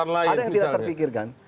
saya kira ada yang tidak terpikirkan